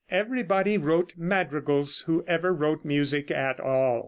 Everybody wrote madrigals who ever wrote music at all.